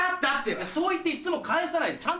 そう言っていつも返さないじゃん。